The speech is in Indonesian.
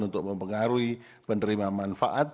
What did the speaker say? untuk mempengaruhi penerima manfaat